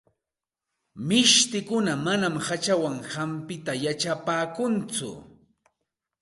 Mishtikuna manam hachawan hampita yachapaakunchu.